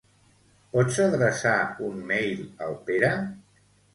Pots adreçar un mail al Pere?